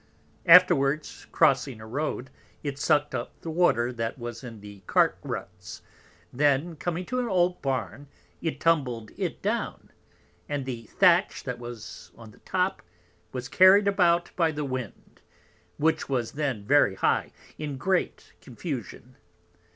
Afterwards crossing a Road, it sucked up the Water that was in the Cart ruts: then coming to an old Barn, it tumbled it down, and the Thatch that was on the Top was carried about by the Wind, which was then very high, in great confusion.